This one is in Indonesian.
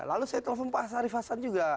lalu saya telepon pak sarif hasan juga